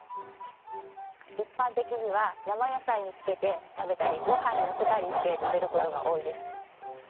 一般的には生野菜につけて食べたりご飯にのせたりして食べる事が多いです。